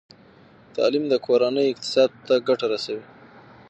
تعلیم د کورنۍ اقتصاد ته ګټه رسوي۔